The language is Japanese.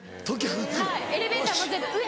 はいエレベーターも全部上！